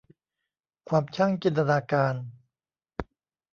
ความช่างจินตนาการ